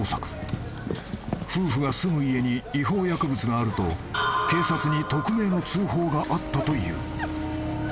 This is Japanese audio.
［夫婦が住む家に違法薬物があると警察に匿名の通報があったという］